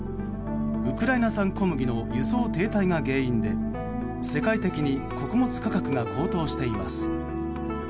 ウクライナ産小麦の輸送停滞が原因で世界的に穀物価格が高騰しています。